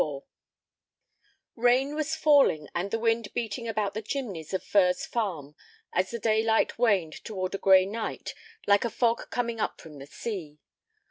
XLIV Rain was falling and the wind beating about the chimneys of Furze Farm as the daylight waned toward a gray night like a fog coming up from the sea.